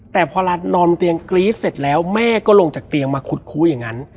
แต่พอรัฐนอนเตียงกรี๊ดเสร็จแล้วแม่ก็ลงจากเตียงมาขุดคุยอย่างนั้น